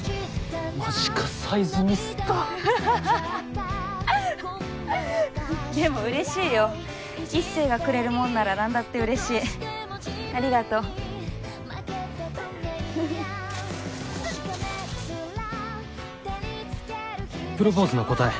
マジかサイズミスったハハハハでも嬉しいよ壱成がくれるもんなら何だって嬉しいありがとうプロポーズの答え